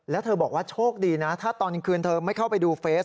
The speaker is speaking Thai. แล้วเธอบอกว่าโชคดีนะถ้าตอนคืนเธอไม่เข้าไปดูเฟส